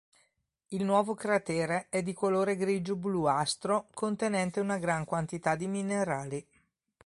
Il nuovo cratere è di colore grigio bluastro contenente una gran quantità di minerali.